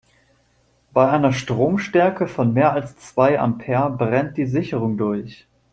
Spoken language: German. Bei einer Stromstärke von mehr als zwei Ampere brennt die Sicherung durch.